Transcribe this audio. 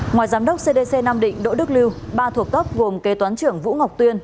ngoài giám đốc cdc nam định đỗ đức lưu ba thuộc cấp gồm kế toán trưởng vũ ngọc tuyên